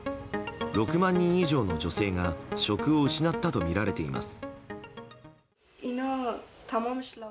６万人以上の女性が職を失ったとみられています。